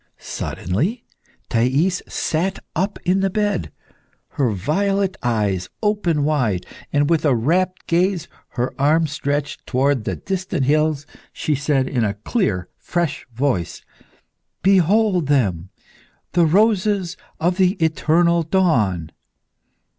_ Suddenly Thais sat up in the bed. Her violet eyes opened wide, and with a rapt gaze, her arms stretched towards the distant hills, she said in a clear, fresh voice "Behold them the roses of the eternal dawn!"